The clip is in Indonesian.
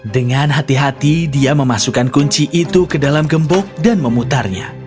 dengan hati hati dia memasukkan kunci itu ke dalam gembongnya